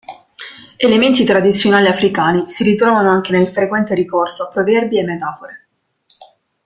Elementi tradizionali africani si ritrovano anche nel frequente ricorso a proverbi e metafore.